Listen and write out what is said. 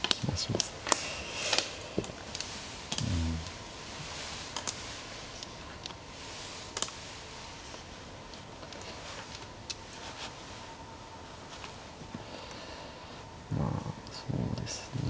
まあそうですね。